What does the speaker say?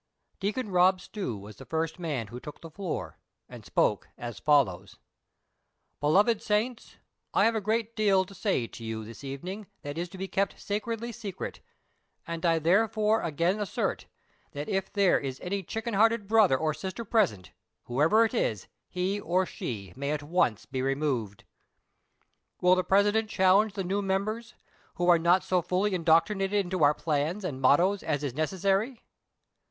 Deacon Eob Stew was the first man who took the floor, and spoke as follows :" Beloved saints, I have a great deal to say to you this evening that is to be kept sacredly secret ; and I therefore again assert, that if there is any chicken hearted brother or sister present, whoever it is, he or she may at once be removed. Will the President challenge the new mem bers, who are not so fully indoctrinated into our plans and mottos as is necessary